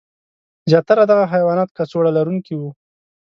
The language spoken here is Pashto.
زیاتره دغه حیوانات کڅوړه لرونکي وو.